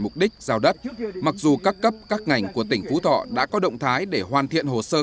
mục đích giao đất mặc dù các cấp các ngành của tỉnh phú thọ đã có động thái để hoàn thiện hồ sơ